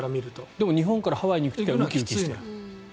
でも日本からアメリカに行く時はウキウキしている。